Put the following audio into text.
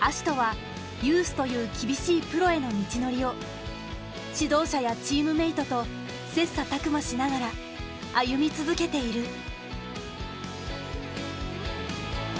葦人はユースという厳しいプロへの道のりを指導者やチームメートと切磋琢磨しながら歩み続けている。